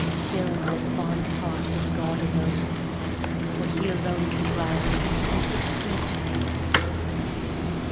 Fill my fond heart with God alone, for He Alone can rival, can succeed to thee.